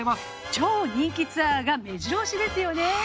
超人気ツアーが目白押しですよね。